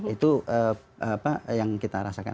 itu yang kita rasakan